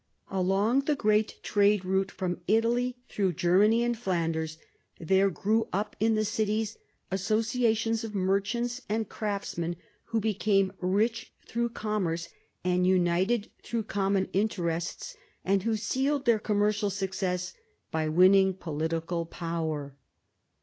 Along the great trade route from Italy through Germany and Flanders there grew up in the cities associations of merchants and craftsmen, who became rich through commerce, and united through common interest, and who sealed their commercial success by winning political power.